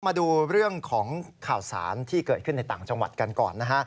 มาดูเรื่องของข่าวสารที่เกิดขึ้นในต่างจังหวัดกันก่อนนะฮะ